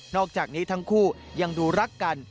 อกจากนี้ทั้งคู่ยังดูรักกัน